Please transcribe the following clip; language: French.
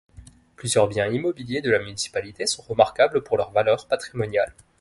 Plusieurs biens immobiliers de la municipalité sont remarquables pour leur valeur patrimoniale.